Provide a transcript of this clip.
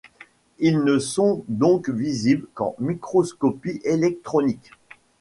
Ils ne sont donc visibles qu'en microscopie électronique.